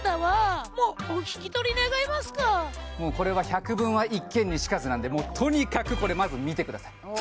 もうこれは百聞は一見にしかずなんでもうとにかくこれまず見てください